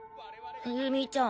冬美ちゃん。